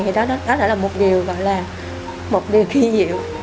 thì đó đã là một điều gọi là một điều kỳ diệu